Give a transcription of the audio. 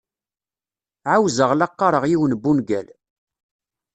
Ɛawzeɣ la qqareɣ yiwen n wungal.